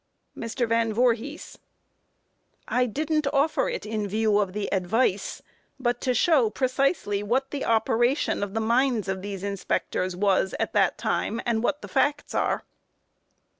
MR. VAN VOORHIS: I didn't offer it in view of the advice, but to show precisely what the operation of the minds of these inspectors was at that time, and what the facts are.